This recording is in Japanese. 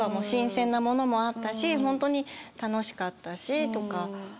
新鮮なものもあったしホントに楽しかったしとか。